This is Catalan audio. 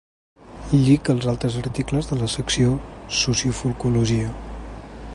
Llig els altres articles de la secció ‘Sociofolcologia’.